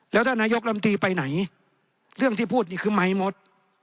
แล้วท่านนายกลำตีไปไหนเรื่องที่พูดนี่คือไมค์หมด